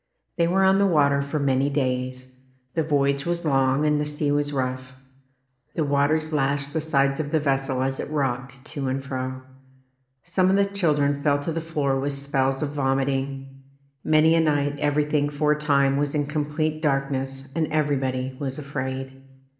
They were on the water for many days. The voyage was long and the sea was rough. The waters lashed the sides of the vessel as it rocked to and fro. Some of the children fell to the floor with spells of vom iting. Many a night everything for a time was in complete darkness and everybody was afraid.